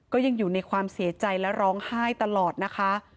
ก็ยังอยู่ในความเสียใจและร้องไห้ตลอดนะคะ